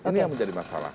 ini yang menjadi masalah